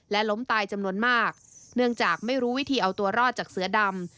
ล้มตายจำนวนมากเนื่องจากไม่รู้วิธีเอาตัวรอดจากเสือดำ